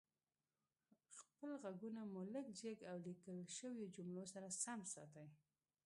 خپل غږونه مو لږ جګ او ليکل شويو جملو سره سم ساتئ